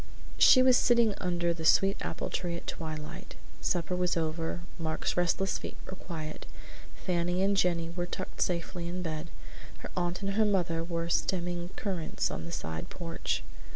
She was sitting under the sweet apple tree at twilight. Supper was over; Mark's restless feet were quiet, Fanny and Jenny were tucked safely in bed; her aunt and her mother were stemming currants on the side porch.